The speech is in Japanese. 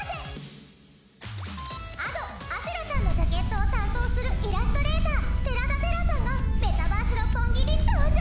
Ａｄｏ『阿修羅ちゃん』のジャケットを担当するイラストレーター寺田てらさんがメタバース六本木に登場！